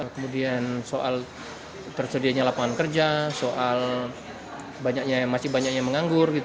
kemudian soal tersedia lapangan kerja soal banyaknya yang masih menganggur